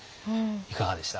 いかがでした？